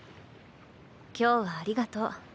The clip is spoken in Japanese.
今日はありがとう。